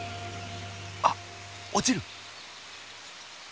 あっ落ちる！